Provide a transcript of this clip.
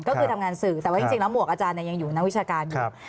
ก็คือทำงานสื่อแต่ว่าจริงแล้วหมวกอาจารย์ยังอยู่นักวิชาการอยู่